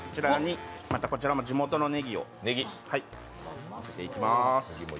こちらも地元のねぎを入れていきます。